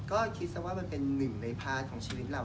ก็คิดซะว่ามันเป็นหนึ่งในพาร์ทของชีวิตเรา